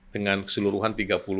dengan keseluruhan tiga puluh